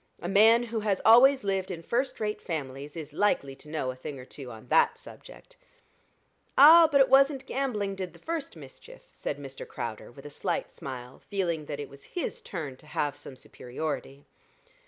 A man who has always lived in first rate families is likely to know a thing or two on that subject." "Ah, but it wasn't gambling did the first mischief," said Mr. Crowder, with a slight smile, feeling that it was his turn to have some superiority.